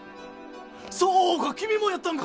そうか君もやったんか！